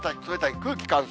空気乾燥。